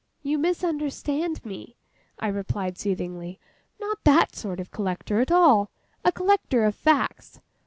'You misunderstand me,' I replied, soothingly. 'Not that sort of collector at all: a collector of facts.